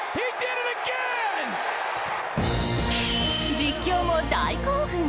実況も大興奮！